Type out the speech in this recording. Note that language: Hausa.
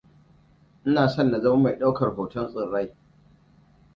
Ina son na zama mai ɗaukar hoton tsirrai.